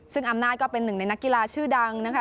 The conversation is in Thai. ซึ่งอำนาจก็เป็นหนึ่งในนักกีฬาชื่อดังนะคะ